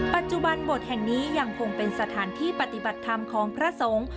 ปัจจุบันบทแห่งนี้ยังคงเป็นสถานที่ปฏิบัติธรรมของพระสงฆ์